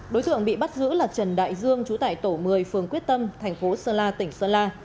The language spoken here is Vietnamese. đối tượng bị bắt giữ là trần đại dương trú tại tổ một mươi phường quyết tâm thành phố sơn la tỉnh sơn la